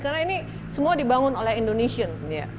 karena ini semua dibangun oleh indonesian